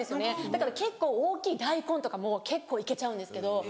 だから結構大きい大根とかも結構行けちゃうんですけど。